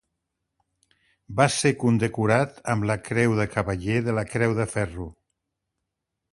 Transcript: Va ser condecorat amb la Creu de Cavaller de la Creu de Ferro.